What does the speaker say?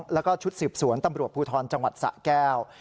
แล้วก็ชุดสืบสวนตำรวจภูทรจังหวัดสะแก้ว